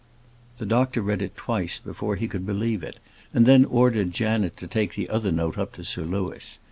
The doctor read it twice before he could believe it, and then ordered Janet to take the other note up to Sir Louis.